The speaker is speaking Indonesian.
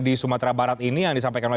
di sumatera barat ini yang disampaikan oleh